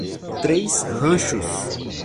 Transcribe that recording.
Três Ranchos